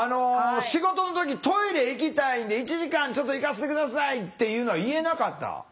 仕事の時「トイレ行きたいんで１時間ちょっと行かせて下さい」っていうのは言えなかった？